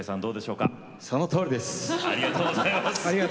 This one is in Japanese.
そのとおりです。